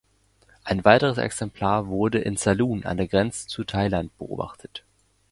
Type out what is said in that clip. Ein weiteres Exemplar wurde im Saluen an der Grenze zu Thailand beobachtet.